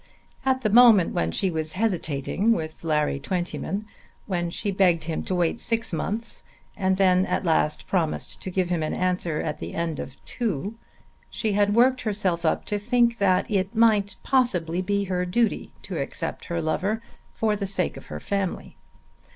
At the moment when she was hesitating with Larry Twentyman, when she begged him to wait six months and then at last promised to give him an answer at the end of two, she had worked herself up to think that it might possibly be her duty to accept her lover for the sake of her family.